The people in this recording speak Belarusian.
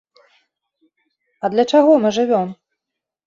А для чаго мы жывём?